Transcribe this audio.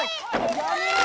やめろよ！